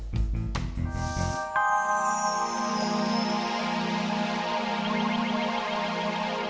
sampai jumpa di video selanjutnya